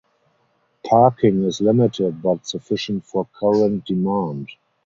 Parking is limited but sufficient for current demand.